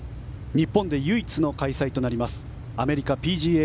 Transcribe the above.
日本で唯一の開催となるアメリカＰＧＡ